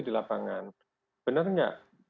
di lapangan benar nggak